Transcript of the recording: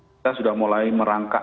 kita sudah mulai merangkak